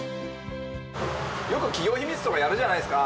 よく企業秘密とかやるじゃないですか。